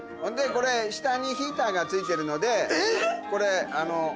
これ下にヒーターが付いてるので。